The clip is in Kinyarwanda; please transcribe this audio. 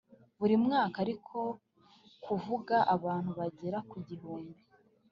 buri mwaka, ari ko kuvuga abantu bagera ku gihumbi